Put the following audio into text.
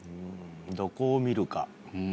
どこを見るか。